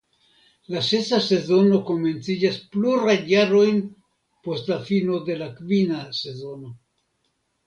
La sesa sezono komenciĝas plurajn jarojn post la fino de la kvina sezono.